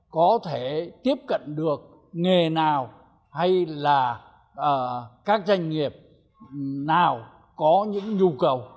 có thể tiếp cận được nghề nào hay là các doanh nghiệp nào có những nhu cầu